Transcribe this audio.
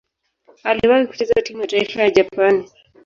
Aliwahi kucheza timu ya taifa ya Japani.